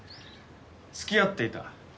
付き合っていた。